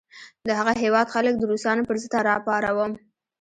د هغه هیواد خلک د روسانو پر ضد را پاروم.